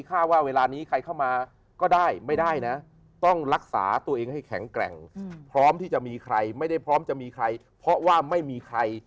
แข็งพร้อมที่จะมีใครไม่ได้พร้อมจะมีใครเพราะว่าไม่มีใคร